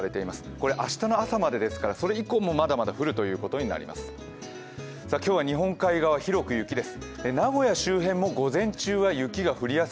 これ、明日の朝までですからそれ以降もまだ降るということです。